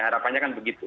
harapannya kan begitu